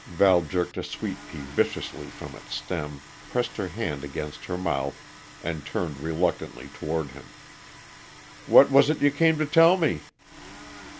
Val jerked a sweet pea viciously from its stem, pressed her hand against her mouth, and turned reluctantly toward him. "What was it you came to tell me?"